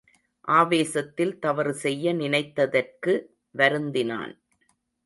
ஆவேசத்தில் தவறு செய்ய நினைத்ததற்கு வருந்தினான்.